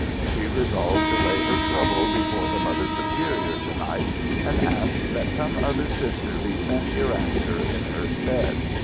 She resolved to lay her trouble before the Mother Superior to night, and ask that some other Sister be sent hereafter in her stead.